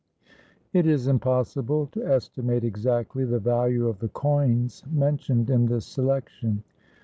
It is impossible to estimate exactly the value of the coins mentioned in this selection.